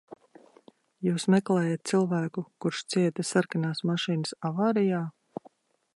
Jūs meklējat cilvēku, kurš cieta sarkanās mašīnas avārijā?